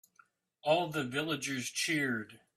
All the villagers cheered.